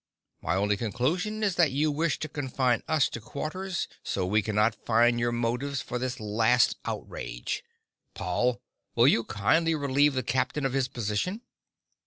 My only conclusion is that you wish to confine us to quarters so we cannot find your motives for this last outrage. Paul, will you kindly relieve the captain of his position?"